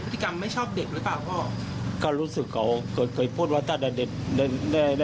โดยสัญญาณของมนุษย์เนี่ยนะผมว่าสัตว์ยังรักลูกเลยนะ